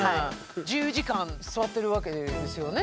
１０時間座ってるわけですよね